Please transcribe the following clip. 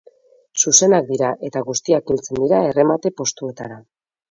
Zuzenak dira eta guztiak heltzen dira erremate postuetara.